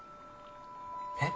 えっ？